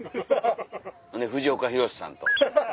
ほんで藤岡弘、さんと。